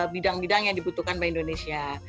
bidang bidang yang dibutuhkan bagi indonesia